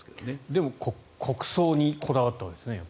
でも国葬にこだわったんですね。